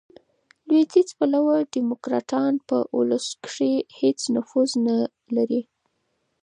لوېدیځ پلوه ډیموکراټان، په اولسو کښي هیڅ نفوذ نه لري.